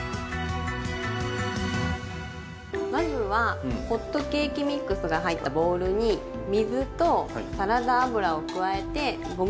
まずはホットケーキミックスが入ったボウルに水とサラダ油を加えてゴムべらで混ぜて下さい。